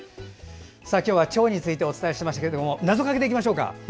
今日はチョウについてお伝えしましたけど謎かけいきましょうか。